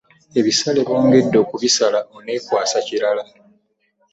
Ebisale bongedde okubisala oneekwasa kirala.